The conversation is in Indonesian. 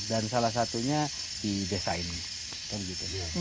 dan salah satunya di desa ini